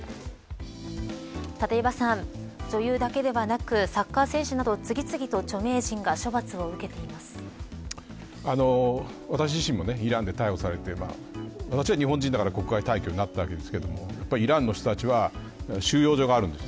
立岩さん、女優だけではなくサッカー選手など、次々と著名人が処罰を私自身もイランで逮捕されて私は日本人だから国外退去になったわけですけれどもイランの人たちは収容所があるんです。